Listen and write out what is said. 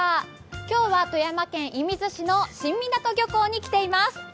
今日は富山県射水市の新湊漁港に来ています。